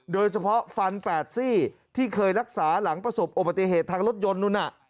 โดยเฉพาะฟันแปดซี่ที่เคยรักษาหลังประสบอุปติเหตุทางรถยนต์